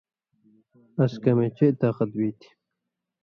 اَس کمے چئ طاقت بی تھی۔